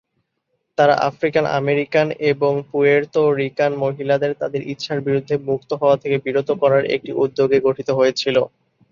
তারা African American এবং Puerto Rican মহিলাদের তাদের ইচ্ছার বিরুদ্ধে মুক্ত হওয়া থেকে বিরত করার একটি উদ্যোগে গঠিত হয়েছিল।